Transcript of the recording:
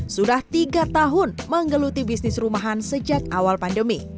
sudah tiga tahun menggeluti bisnis rumahan sejak awal pandemi